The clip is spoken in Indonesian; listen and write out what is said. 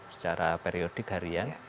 secara periodik harian